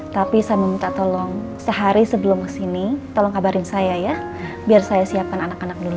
tapi saya meminta tolong sehari sebelum kesini tolong kabarin saya ya biar saya siapkan anak anak dulu